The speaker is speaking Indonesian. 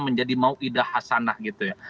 menjadi mau idah hasanah gitu ya